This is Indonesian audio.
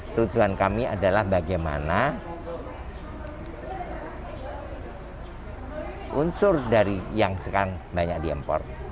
tujuan kami adalah bagaimana unsur dari yang sekarang banyak diimpor